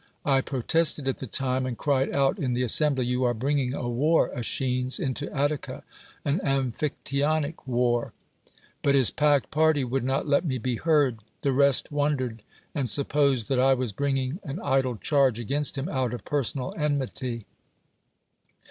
I protested at the time, and cried out in the assembly — "You are bringing a war, ^l^^schines, into Attica, an Amphietyonic war" — but his i^acked party would not let me be heard; the rest wondered, and supposed that I was bringing an idle charge against him out of per sonal enmity.